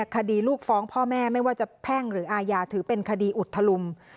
คดีลูกฟ้องพ่อแม่ไม่ว่าจะแพ่งหรืออาญาถือเป็นคดีอุทธลุง